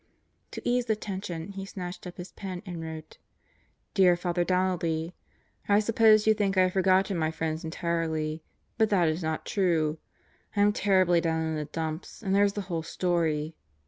To ease the tension he snatched up his pen and wrote: Dear Father Donnelly: I suppose you think I have forgotten my friends entirely. But that is not true. I am terribly down in the dumps and there's the whole story.